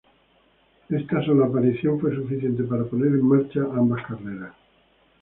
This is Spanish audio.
Esta sola aparición fue suficiente para poner en marcha ambas carreras.